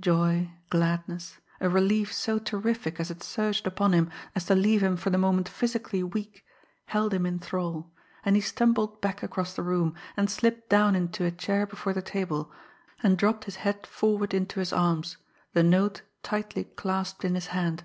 Joy, gladness, a relief so terrific as it surged upon him as to leave him for the moment physically weak, held him in thrall, and he stumbled back across the room, and slipped down into a chair before the table, and dropped his head forward into his arms, the note tightly clasped in his hand.